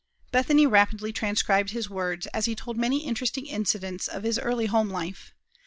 Bethany rapidly transcribed his words, as he told many interesting incidents of his early home life.